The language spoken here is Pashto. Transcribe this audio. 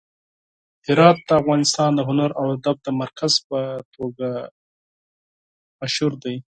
هرات د افغانستان د هنر او ادب د مرکز په توګه مشهور دی.